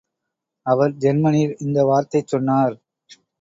அவர் ஜெர்மனியில் இந்த வார்த்தை சொன்னார்.